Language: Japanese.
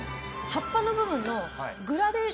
葉っぱの部分の。